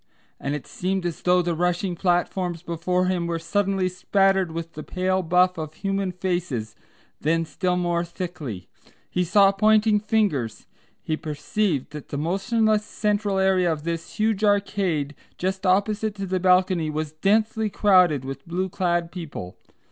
and it seemed as though the rushing platforms before him were suddenly spattered with the pale buff of human faces, and then still more thickly. He saw pointing fingers. He perceived that the motionless central area of this huge arcade just opposite to the balcony was densely crowded with blue clad people.